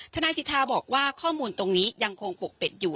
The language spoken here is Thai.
ทนายสิทธาบอกว่าข้อมูลตรงนี้ยังคงปกปิดอยู่